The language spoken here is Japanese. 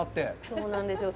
そうなんですよ。